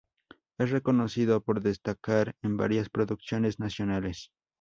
Es reconocido por destacar en varias producciones nacionales.